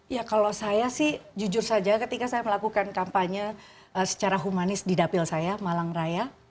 ya kalau saya sih jujur saja ketika saya melakukan kampanye secara humanis di dapil saya malang raya